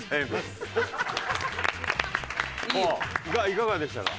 いかがでしたか？